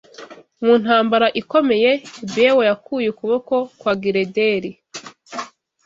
Mu ntambara ikomeye, Bewo yakuye ukuboko kwa Girendeli